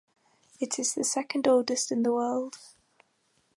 It is the second oldest in the world.